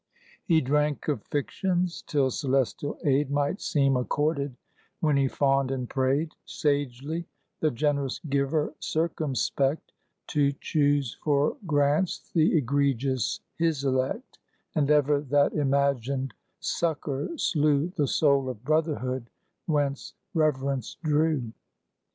He drank of fictions, till celestial aid Might seem accorded when he fawned and prayed; Sagely the generous Giver circumspect, To choose for grants the egregious, his elect; And ever that imagined succour slew The soul of brotherhood whence Reverence drew.